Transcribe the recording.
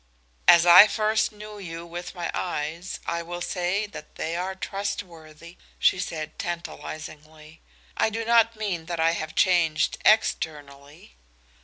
"As I first knew you with my eyes I will say that they are trustworthy," she said tantalizingly. "I do not mean that I have changed externally."